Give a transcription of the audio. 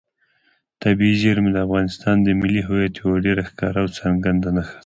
طبیعي زیرمې د افغانستان د ملي هویت یوه ډېره ښکاره او څرګنده نښه ده.